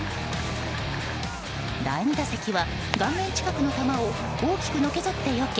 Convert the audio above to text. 第２打席は、顔面近くの球を大きくのけぞってよけ